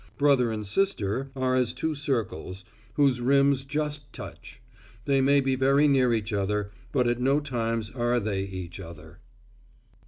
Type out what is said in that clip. Brother and sister are as two circles, whose rims just touch. They may be very near each other, but at no time are they each other.